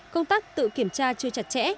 công tác tự kiểm tra chưa chặt chẽ